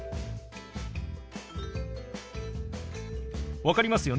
分かりますよね？